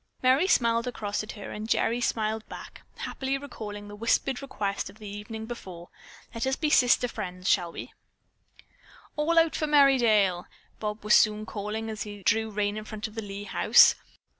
Merry smiled across at her and Gerry smiled back, happily recalling the whispered request of the evening before: "Let us be sister friends, shall we?" "All out for Merry dale!" Bob was soon calling as he drew rein in front of the Lee house.